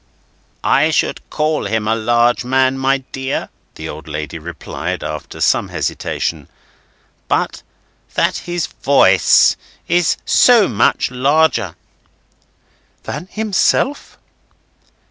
"I should call him a large man, my dear," the old lady replied after some hesitation, "but that his voice is so much larger." "Than himself?"